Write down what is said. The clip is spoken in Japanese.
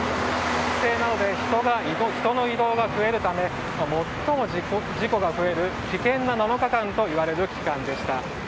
帰省などで人の移動が増えるため、最も事故が増える危険な７日間といわれる期間でした。